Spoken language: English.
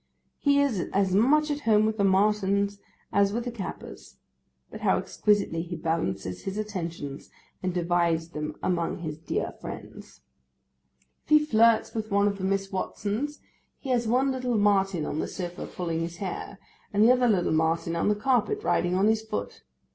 He is as much at home with the Martins as with the Cappers; but how exquisitely he balances his attentions, and divides them among his dear friends! If he flirts with one of the Miss Watsons, he has one little Martin on the sofa pulling his hair, and the other little Martin on the carpet riding on his foot.